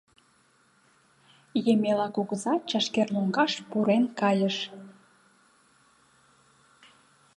Емела кугыза чашкер лоҥгаш пурен кайыш.